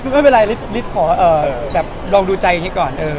ไม่เป็นไรลิสสขอลองดูใจไอ้นี้ก่อน